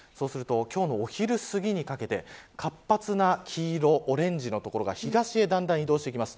お昼すぎにかけて活発な黄色オレンジの所が東へだんだん移動してきます。